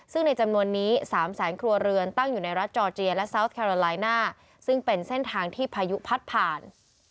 ซึ่งในจำนวนนี้๓แสนครัวเรือนตั้งอยู่ในรัฐจอร์เจียและซาวสแคโรลายน่าซึ่งเป็นเส้นทางที่พายุพัดผ่าน